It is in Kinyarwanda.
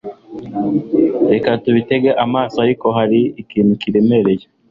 reka tubitege amaso, ariko, hari ikintu kiremereye